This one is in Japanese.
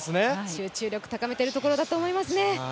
集中力高めているところだと思いますね。